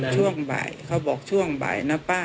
ช่วงบ่ายเขาบอกช่วงบ่ายนะป้า